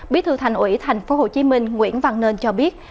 bí thư thành ủy tp hcm nguyễn văn nên cho biết